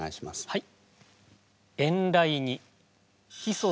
はい。